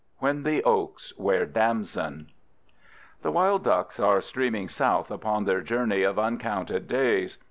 WHEN THE OAKS WEAR DAMSON The wild ducks are streaming south upon their journey of uncounted days.